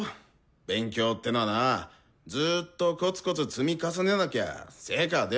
勉強ってのはなぁずっとコツコツ積み重ねなきゃ成果は出ないんだぞ。